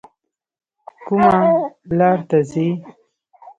کومه لار ته ځئ؟